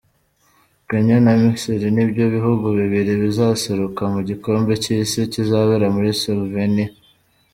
Kenya na Misiri nibyo bihugu bibiri bizaseruka mu gikombe cy’isi kizabera muri Slovenia.